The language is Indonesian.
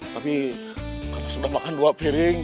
tapi karena sudah makan dua piring